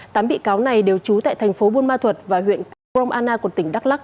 tám bị cáo này đều trú tại thành phố buôn ma thuật và huyện gromana của tỉnh đắk lắk